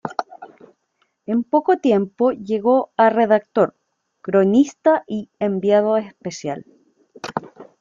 En poco tiempo llegó a redactor, cronista y enviado especial.